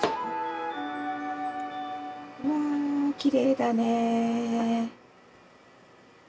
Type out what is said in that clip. うわきれいだね。